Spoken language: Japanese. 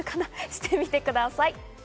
してみてください。